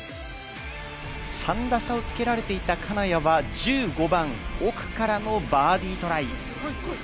３打差をつけられていた金谷は１５番奥からのバーディートライ。